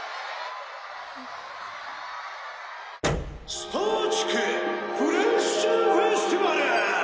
スター地区フレッシュフェスティバル！